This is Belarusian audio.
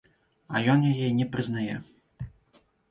А ён яе не прызнае.